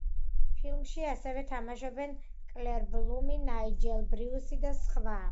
ფილმში ასევე თამაშობენ კლერ ბლუმი, ნაიჯელ ბრიუსი და სხვა.